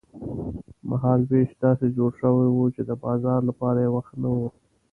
مهال وېش داسې جوړ شوی و چې د بازار لپاره یې وخت نه و.